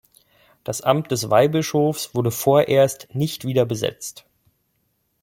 Das Amt des Weihbischofs wurde vorerst nicht wieder besetzt.